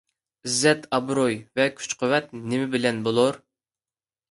ئىززەت-ئابرۇي ۋە كۈچ-قۇۋۋەت نېمە بىلەن بولۇر؟